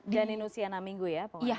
janin usia enam minggu ya